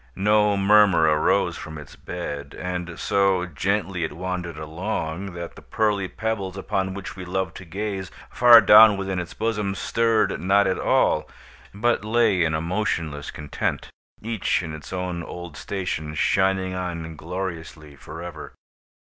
No murmur arose from its bed, and so gently it wandered along, that the pearly pebbles upon which we loved to gaze, far down within its bosom, stirred not at all, but lay in a motionless content, each in its own old station, shining on gloriously forever.